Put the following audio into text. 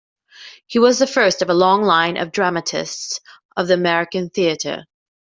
He was the first of a long line of dramatists of the American theater.